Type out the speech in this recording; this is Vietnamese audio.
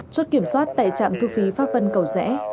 chốt kiểm soát tại trạm thu phí pháp vân cầu rẽ